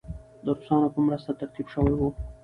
د روسانو په مرسته ترتیب شوې وه.